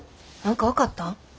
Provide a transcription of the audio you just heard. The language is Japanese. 何か分かったん？